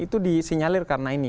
itu disinyalir karena ini